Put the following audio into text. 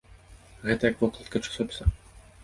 Гэта як вокладка часопіса.